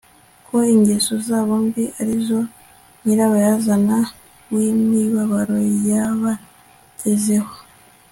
ko ingeso zabo mbi ari zo nyirabayazana wimibabaro yabagezeho